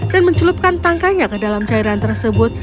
dan menculupkan tangkanya ke dalam cairan tersebut